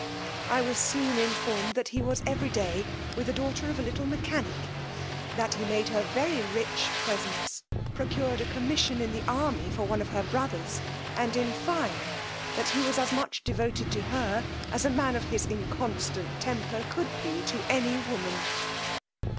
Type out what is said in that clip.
I was soon informed that he was every day with the daughter of a little mechanic; that he made her very rich presents, procured a commission in the army for one of her brothers, and in fine, that he was as much devoted to her as a man of his inconstant temper could be to any woman.